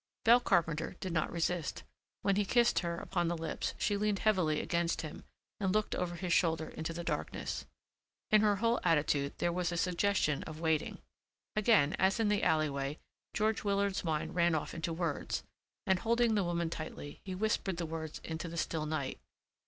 Belle Carpenter did not resist. When he kissed her upon the lips she leaned heavily against him and looked over his shoulder into the darkness. In her whole attitude there was a suggestion of waiting. Again, as in the alleyway, George Willard's mind ran off into words and, holding the woman tightly he whispered the words into the still night.